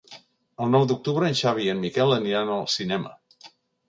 El nou d'octubre en Xavi i en Miquel aniran al cinema.